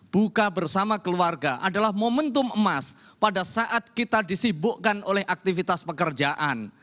buka bersama keluarga adalah momentum emas pada saat kita disibukkan oleh aktivitas pekerjaan